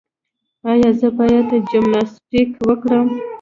ایا زه باید جمناسټیک وکړم؟